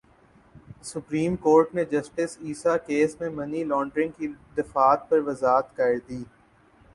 supreme court نے justice Isa case میں money laundering کی دفعات پر وضاحت کردی